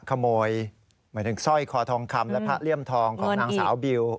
ขโมยหมายถึงสร้อยคอทองคำและพระเลี่ยมทองของนางสาวบิว